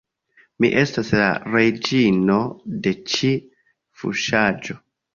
Mi estas la reĝino de ĉi fuŝaĵo